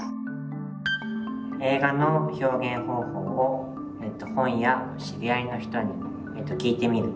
映画の表現方法を本や知り合いの人に聞いてみる。